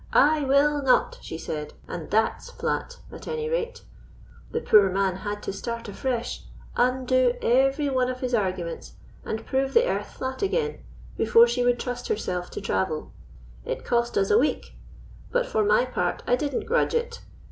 'I will not,' she said; 'and that's flat, at any rate.' The poor man had to start afresh, undo every one of his arguments, and prove the earth flat again, before she would trust herself to travel. It cost us a week, but for my part I didn't grudge it.